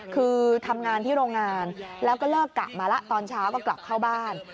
คือทำงานที่โรงงานแล้วก็เลิกกะมาแล้วตอนเช้าก็กลับเข้าบ้าน